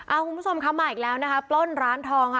คุณผู้ชมคะมาอีกแล้วนะคะปล้นร้านทองค่ะ